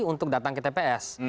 untuk datang ke tps